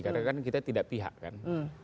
karena kan kita tidak pihak kan